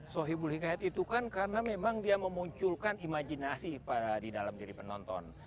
sohibul hikayat itu kan karena memang dia memunculkan imajinasi di dalam diri penonton